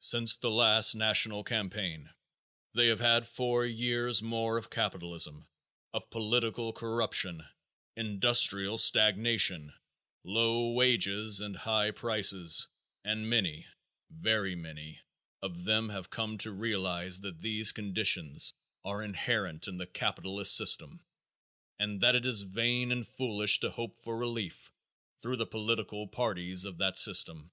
Since the last national campaign they have had four years more of capitalism, of political corruption, industrial stagnation, low wages and high prices, and many, very many of them have come to realize that these conditions are inherent in the capitalist system and that it is vain and foolish to hope for relief through the political parties of that system.